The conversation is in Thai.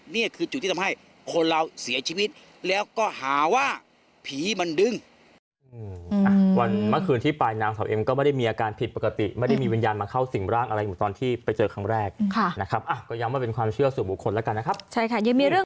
นี่คือจุดที่ทำให้คนเราเสียชีวิตแล้วก็หาว่าผีมันดึง